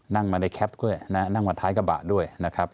นั่งมาในแคปด้วยนะนั่งมาท้ายกระบะด้วยนะครับ